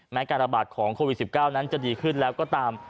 การระบาดของโควิด๑๙นั้นจะดีขึ้นแล้วก็ตาม